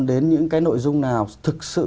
đến những cái nội dung nào thực sự